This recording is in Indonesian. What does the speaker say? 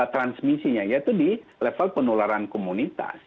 transmisinya yaitu di level penularan komunitas